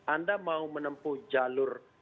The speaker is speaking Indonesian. anda mau menempuh jalur